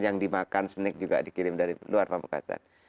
yang dimakan snek juga dikirim dari luar pemekasan